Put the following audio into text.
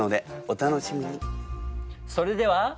それでは。